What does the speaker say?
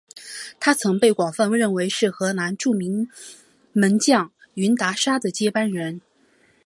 他曾被广泛认为是荷兰著名门将云达沙的接班人。